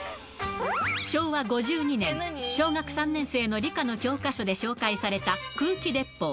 昭和５２年、小学３年生の理科の教科書で紹介された空気鉄砲。